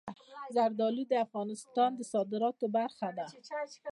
زردالو د افغانستان د صادراتو برخه ده.